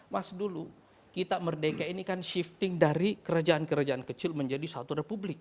mas dulu kita merdeka ini kan shifting dari kerajaan kerajaan kecil menjadi satu republik